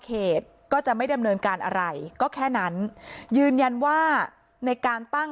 เขตก็จะไม่ดำเนินการอะไรก็แค่นั้นยืนยันว่าในการตั้ง